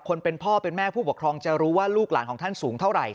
เป็นพ่อเป็นแม่ผู้ปกครองจะรู้ว่าลูกหลานของท่านสูงเท่าไหร่